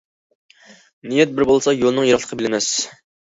« نىيەت بىر بولسا يولنىڭ يىراقلىقى بىلىنمەس».